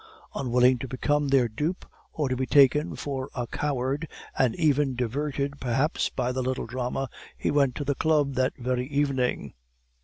Unwilling to become their dupe, or to be taken for a coward, and even diverted perhaps by the little drama, he went to the Club that very evening.